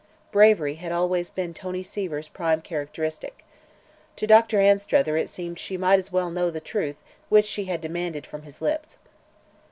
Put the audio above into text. Bravery had always been Tony Seaver's prime characteristic. To Doctor Anstruther it seemed that she might as well know the truth which she had demanded from his lips.